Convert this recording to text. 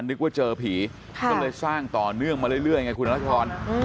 นึกว่าเจอผีก็เลยสร้างต่อเนื่องมาเรื่อยไงคุณรัชพร